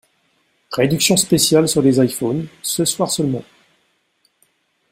Réduction spéciale sur les iphones, ce soir seulement.